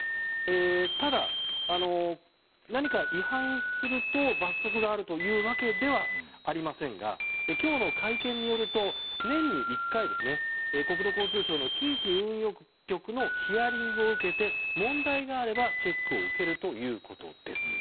ただ、何か違反すると罰則があるというわけではありませんが今日の会見によると年に１回国土交通省の近畿運輸局のヒアリングを受けて問題があれば、チェックを受けるということです。